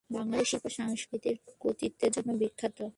বাঙালিরা শিল্প-সংস্কৃতিতে কৃতিত্বের জন্য বিখ্যাত।